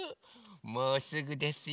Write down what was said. もうすぐですよ。